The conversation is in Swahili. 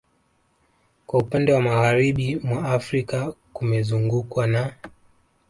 Kwa upande wa Magharibi mwa Afrika kumezungukwa na